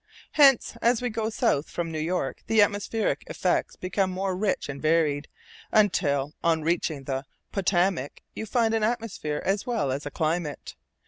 Hence, as we go south from New York, the atmospheric effects become more rich and varied, until on reaching the Potomac you find an atmosphere as well as a climate.